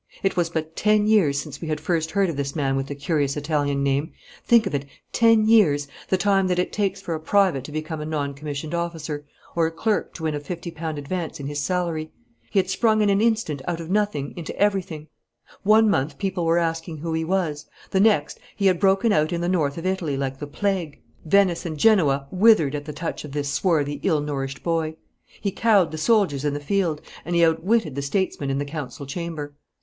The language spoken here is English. It was but ten years since we had first heard of this man with the curious Italian name think of it, ten years, the time that it takes for a private to become a non commissioned officer, or a clerk to win a fifty pound advance in his salary. He had sprung in an instant out of nothing into everything. One month people were asking who he was, the next he had broken out in the north of Italy like the plague; Venice and Genoa withered at the touch of this swarthy ill nourished boy. He cowed the soldiers in the field, and he outwitted the statesmen in the council chamber.